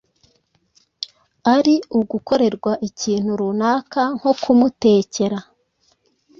ari ugukorerwa ikintu runaka nko mutekera